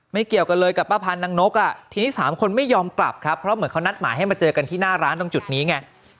เกี่ยวกันเลยกับป้าพันธ์นางนกทีนี้๓คนไม่ยอมกลับครับเพราะเหมือนเขานัดหมายให้มาเจอกันที่หน้าร้านตรงจุดนี้ไง